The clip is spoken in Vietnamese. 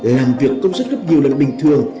làm việc công suất gấp nhiều lần bình thường